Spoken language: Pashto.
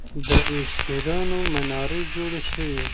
له اسیرانو منارې جوړې سوې